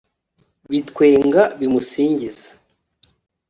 bitwenga bimusingize